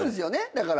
だから。